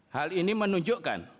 hal ini menunjukkan